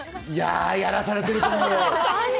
やらされてると思う。